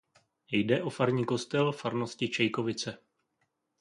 Jde o farní kostel farnosti Čejkovice.